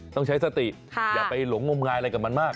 ต้องใช้สติอย่าไปหลงงมงายอะไรกับมันมาก